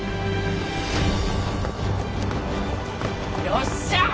よっしゃー！